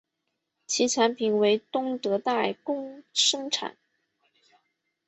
其产品为同德代工生产。